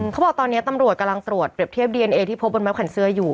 เขาบอกตอนนี้ตำรวจกำลังตรวจเปรียบเทียบดีเอนเอที่พบบนไม้ขันเสื้ออยู่